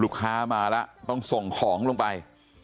ลูกค้ามาแล้วต้องส่งของลงไป